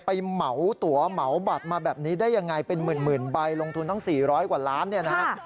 เหมาตัวเหมาบัตรมาแบบนี้ได้ยังไงเป็นหมื่นใบลงทุนทั้ง๔๐๐กว่าล้านเนี่ยนะฮะ